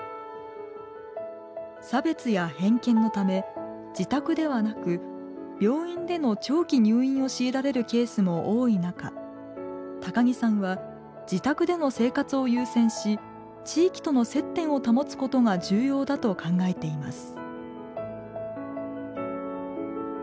差別や偏見のため自宅ではなく病院での長期入院を強いられるケースも多い中高木さんは自宅での生活を優先し地域との接点を保つことが重要だと考えています。